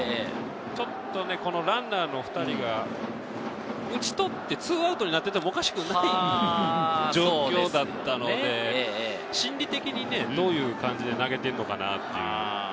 ちょっとランナーの２人が、打ち取って２アウトになっても、おかしくない状況だったので、心理的にどういう感じで投げているのかなっていう。